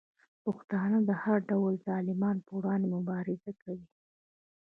پښتانه د هر ډول ظالمانو په وړاندې مبارزه کوي.